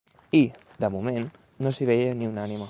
I, de moment, no s'hi veia ni una ànima